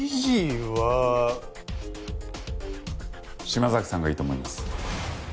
島崎さんがいいと思います。